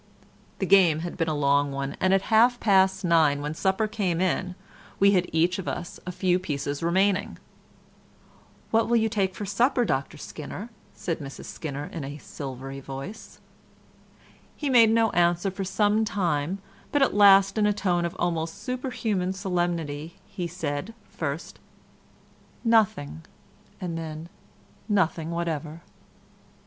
The game had been a long one, and at half past nine, when supper came in, we had each of us a few pieces remaining. "What will you take for supper, Dr Skinner?" said Mrs Skinner in a silvery voice. He made no answer for some time, but at last in a tone of almost superhuman solemnity, he said, first, "Nothing," and then "Nothing whatever."